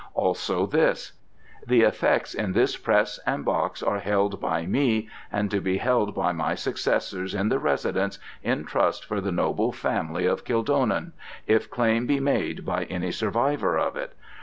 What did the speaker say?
Also this: 'The Effects in this Press and Box are held by me, and to be held by my successors in the Residence, in trust for the noble Family of Kildonan, if claim be made by any survivor of it.